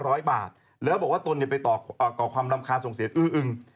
ร้อยบาทแล้วบอกว่าตนอย่าไปต่อก่อความรำคาญทรงเศษอื้ออึง